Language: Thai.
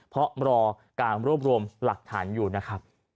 เพราะรอการรวบรวมหลักฐานอยู่นะครับ